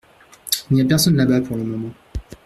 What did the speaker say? Il n’y a personne là-bas pour le moment.